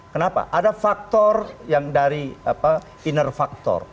kenapa ada faktor yang dari inner factor